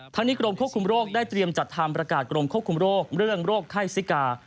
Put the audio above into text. ทั้งนี้กรมควบคุมโรคได้เตรียมจัดทำประกาศกรมควบคุมโรคเรื่องโรคไข้ซิกา